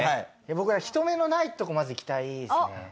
僕は人目のないとこまず行きたいですね。